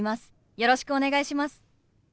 よろしくお願いします。